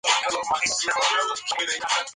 Era un referente del Independiente en el amateurismo.